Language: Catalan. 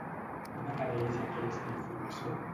On apareix aquesta informació?